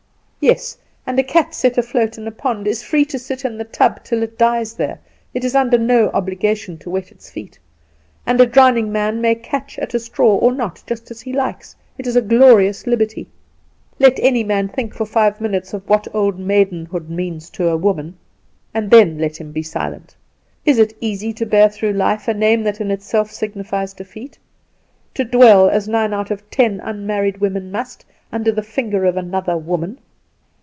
"Yes and a cat set afloat in a pond is free to sit in the tub till it dies there, it is under no obligation to wet its feet; and a drowning man may catch at a straw or not, just as he likes it is a glorious liberty! Let any man think for five minutes of what old maidenhood means to a woman and then let him be silent. Is it easy to bear through life a name that in itself signifies defeat? to dwell, as nine out of ten unmarried women must, under the finger of another woman?